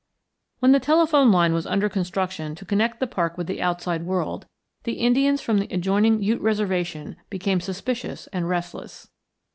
When the telephone line was under construction to connect the park with the outside world, the Indians from the adjoining Ute reservation became suspicious and restless.